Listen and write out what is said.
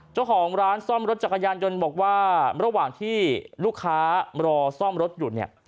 เจ้าของร้านซ่อมรถจักรยานยนต์บอกว่าระหว่างที่ลูกค้ารอซ่อมรถอยู่เนี่ย